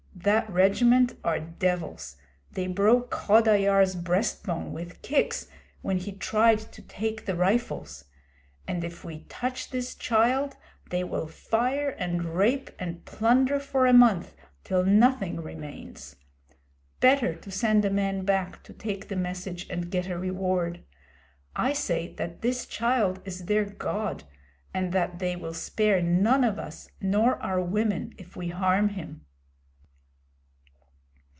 That regiment are devils. They broke Khoda Yar's breastbone with kicks when he tried to take the rifles; and if we touch this child they will fire and rape and plunder for a month, till nothing remains. Better to send a man back to take the message and get a reward. I say that this child is their God, and that they will spare none of us, nor our women, if we harm him.'